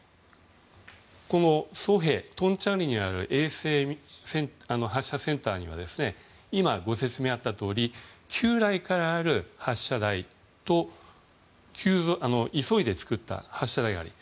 ソヘ、トンチャンリにある衛星発射センターには今、ご説明があったとおり旧来からあった発射台と急いで作った発射台があり